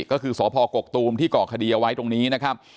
ก็คือสพกกตูมที่ก่อคดีเอาไว้ตรงนี้นะครับ